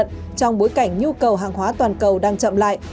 trong bối cảnh nhu cầu hàng hóa toàn cầu đang chậm lại